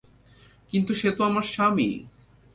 কিন্তু, সে তো আমার স্বামী।